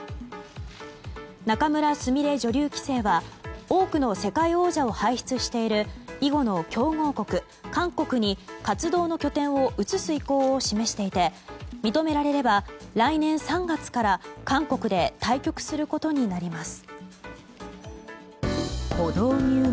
仲邑菫女流棋聖は多くの世界王者を輩出している囲碁の強豪国・韓国に活動の拠点を移す意向を示していて認められれば来年３月から韓国で対局することになります。